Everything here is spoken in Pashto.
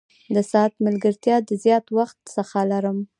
د ساعت ملګرتیا د زیات وخت څخه لرم.